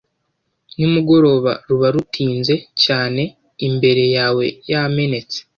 nimugoroba ruba rutinze cyane imbere yawe yamenetse